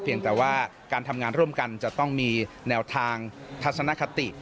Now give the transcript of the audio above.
แต่ว่าการทำงานร่วมกันจะต้องมีแนวทางทัศนคติ